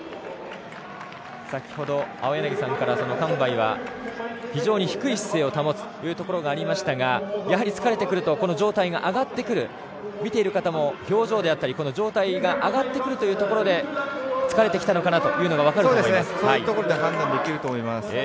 先ほど青柳さんから韓梅は非常に低い姿勢を保つとありましたがやはり疲れてくると、この上体が上がってくる見ている方も表情であったり上体が上がってくるというところで疲れてきたのかなというところが分かるかと思います。